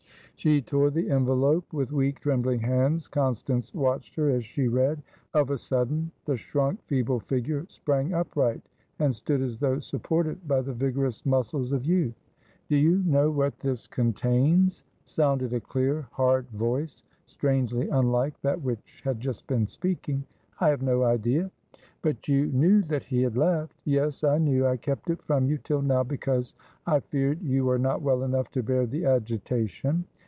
She tore the envelope with weak trembling hands. Constance watched her as she read. Of a sudden, the shrunk, feeble figure sprang upright, and stood as though supported by the vigorous muscles of youth. "Do you know what this contains?" sounded a clear, hard voice, strangely unlike that which had just been speaking. "I have no idea." "But you knew that he had left?" "Yes, I knew. I kept it from you till now, because I feared you were not well enough to bear the agitation."